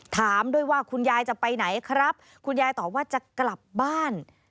ถามด้วยว่าคุณยายจะไปไหนครับคุณยายตอบว่าจะกลับบ้าน